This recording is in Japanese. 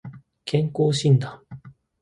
健康診断